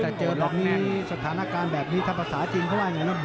แต่เจอดอกนี้สถานการณ์แบบนี้ถ้าภาษาจีนเขาว่าอย่างนั้น